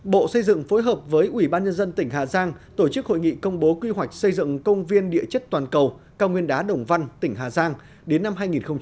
bộ xây dựng phối hợp với ủy ban nhân dân tỉnh hà giang tổ chức hội nghị công bố quy hoạch xây dựng công viên địa chất toàn cầu cao nguyên đá đồng văn tỉnh hà giang đến năm hai nghìn ba mươi